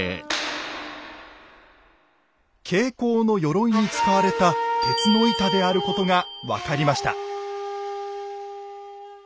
挂甲のよろいに使われた鉄の板であることが分かりました。